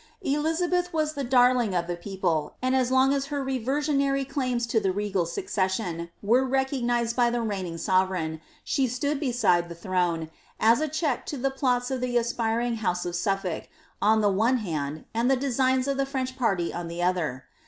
Elizabeth was the darling of the people, and as long as her reversionary claims to the regal succession wete recognised by the reigning sovereign, she stood beside the throne, as a check to the plots of the aspiring house of Suffolk, on the one hand, and the designs of the French party on the other.